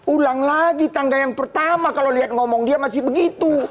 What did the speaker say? ulang lagi tangga yang pertama kalau lihat ngomong dia masih begitu